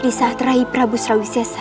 disaat raih prabu sarawisesa